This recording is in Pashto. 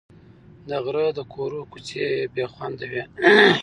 د غره د کورو کوڅې بې خونده وې.